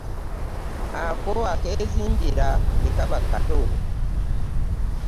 Ako akezimbira tekaba kato .